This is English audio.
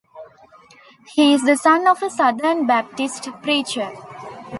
He is the son of a Southern Baptist preacher.